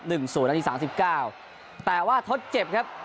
ศูนย์นาทีสามสิบเก้าแต่ว่าทดเจ็บครับ